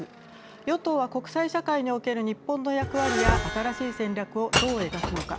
与党は、国際社会における日本の役割や新しい戦略をどう描くのか。